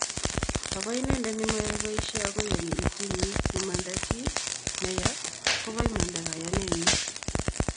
Ago inendet nimoyoei boishei, akoyani iityin imanda chi neya, koba imanda kayanenyi